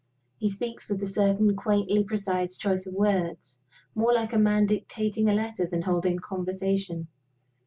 He speaks with a certain quaintly precise choice of words more like a man dictating a letter than holding a conversation.